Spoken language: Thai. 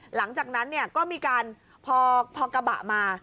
หลังจากนั้นก็มีการพอกระบะมา